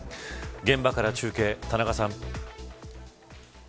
現場から中継、田中さん。